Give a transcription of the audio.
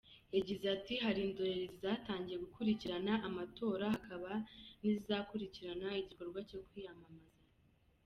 Yagize ati “Hari indorerezi zatangiye gukurikirana amatora, hakaba n’izizakurikirana igikorwa cyo kwiyamamaza.